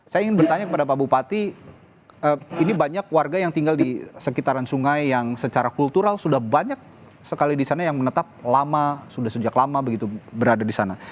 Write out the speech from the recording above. saya ingin bertanya kepada pak bupati ini banyak warga yang tinggal di sekitaran sungai yang secara kultural sudah banyak sekali di sana yang menetap lama sudah sejak lama begitu berada di sana